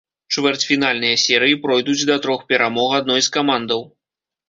Чвэрцьфінальныя серыі пройдуць да трох перамог адной з камандаў.